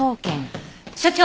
所長！